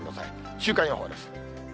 週間予報です。